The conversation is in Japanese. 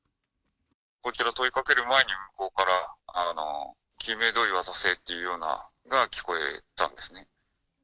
こちら問いかける前に、向こうから、救命胴衣を渡せっていうようなのが聞こえたんですね。